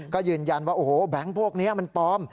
ก็ยืนยันว่าโอ้โหแบงค์พวกนี้มันปลอม